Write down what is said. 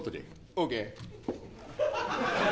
ＯＫ。